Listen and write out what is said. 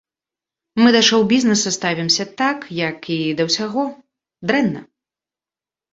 Мы да шоу-бізнеса ставімся так, як і да ўсяго, дрэнна.